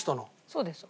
そうです。